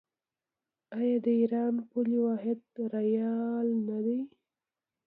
آیا د ایران پولي واحد ریال نه دی؟